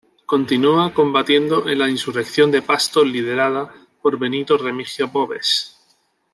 Continua combatiendo en la insurrección de Pasto liderada por Benito Remigio Boves.